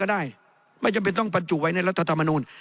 ได้ไม่จำเป็นต้องบรรจุไว้ในรัฐธรรมนูล